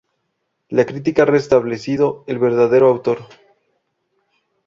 La crítica ha restablecido el verdadero autor.